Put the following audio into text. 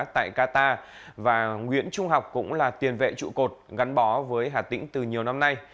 tại qatar và nguyễn trung học cũng là tiền vệ trụ cột gắn bó với hà tĩnh từ nhiều năm nay